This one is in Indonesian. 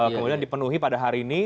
kemudian dipenuhi pada hari ini